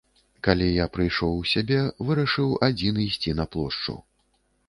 Калі я прайшоў у сябе, вырашыў адзін ісці на плошчу.